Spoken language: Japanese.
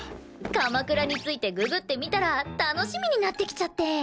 鎌倉についてググってみたら楽しみになってきちゃって。